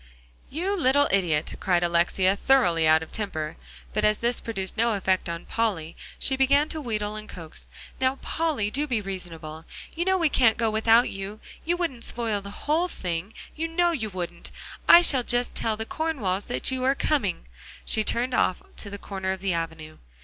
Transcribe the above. "You little idiot!" cried Alexia, thoroughly out of temper. But as this produced no effect on Polly, she began to wheedle and coax. "Now, Polly, do be reasonable. You know we can't go without you; you wouldn't spoil the whole thing; you know you wouldn't. I shall just tell the Cornwalls that you are coming," and she turned off to the corner of the avenue.